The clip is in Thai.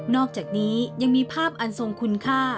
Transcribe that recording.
อกจากนี้ยังมีภาพอันทรงคุณค่า